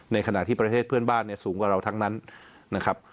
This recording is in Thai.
ในขณะที่ประเทศเพื่อนบ้านเนี่ยสูงกว่าเราทั้งนั้นนะครับ